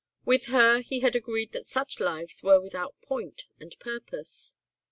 With her he had agreed that such lives were without point and purpose.